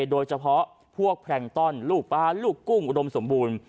โดยเฉพาะพวกแพลงต้อนลูกปลาลูกกุ้งอุดมสมบูรณ์